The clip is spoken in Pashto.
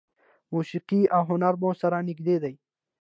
موسیقي او هنر مو سره نږدې دي.